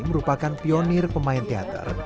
adalah seorang penir pemain teater